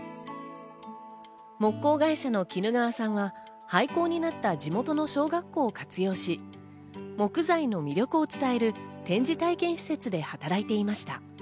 木工会社の衣川さんは廃校になった地元の小学校を活用し、木材の魅力を伝える展示体験施設で働いていました。